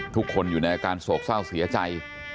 ทุกคนอยู่ในอาการโศกเศร้าเสียใจ